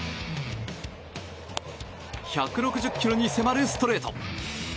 １６０キロに迫るストレート。